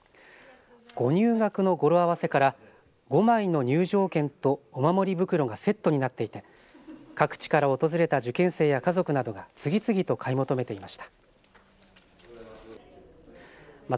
ご入学の語呂合わせから５枚の入場券とお守り袋がセットになっていて各地から訪れた受験生や家族などが次々と買い求めていました。